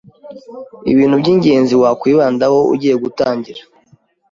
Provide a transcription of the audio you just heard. Ibintu by’ingenzi wakwibandaho ugiye gutangira